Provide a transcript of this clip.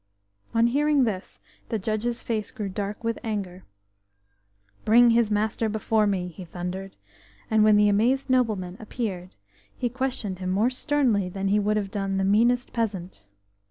On hearing this the judge's face grew dark with anger. "Bring his master before me," he thundered, and when the amazed nobleman appeared he questioned him more sternly than he would have done the meanest peasant.